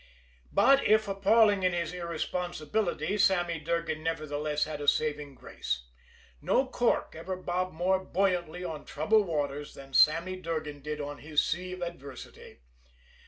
But, if appalling in his irresponsibility, Sammy Durgan nevertheless had a saving grace no cork ever bobbed more buoyantly on troubled waters than Sammy Durgan did on his sea of adversity.